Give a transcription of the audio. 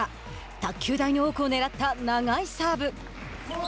卓球台の奥を狙った長いサーブ。